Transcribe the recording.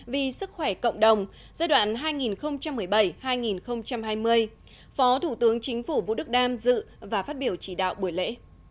vì sức khỏe cộng đồng giai đoạn hai nghìn một mươi bảy hai nghìn hai mươi phó thủ tướng chính phủ vũ đức đam dự và phát biểu chỉ đạo buổi lễ